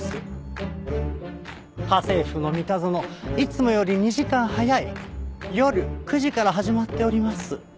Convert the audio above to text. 『家政夫のミタゾノ』いつもより２時間早い夜９時から始まっております。